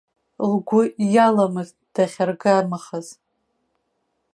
Лгәы иаламызт дахьаргамахаз.